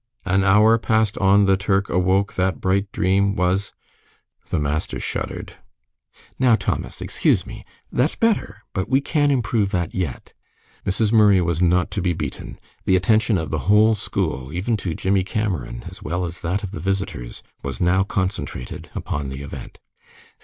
"An hour passed on the Turk awoke that bright dream was " The master shuddered. "Now, Thomas, excuse me. That's better, but we can improve that yet." Mrs. Murray was not to be beaten. The attention of the whole school, even to Jimmie Cameron, as well as that of the visitors, was now concentrated upon the event.